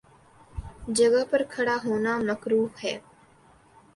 جگہ پر کھڑا ہونا مکروہ ہے۔